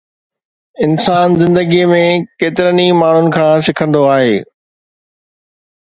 انسان زندگيءَ ۾ ڪيترن ئي ماڻهن کان سکندو آهي.